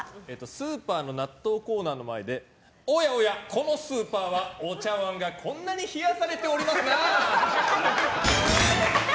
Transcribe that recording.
スーパーの納豆コーナーの前でおやおや、このスーパーはお茶わんがこんなに冷やされておりますな！